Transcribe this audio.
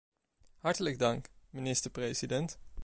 Hartelijk dank, minister-president.